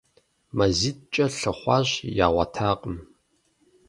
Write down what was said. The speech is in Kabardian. МазитӀкӀэ лъыхъуащ, ягъуэтакъым.